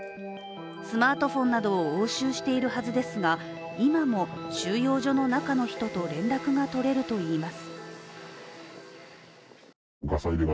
スマートフォンなどを押収しているはずですが今も収容所の中の人と連絡が取れるといいます。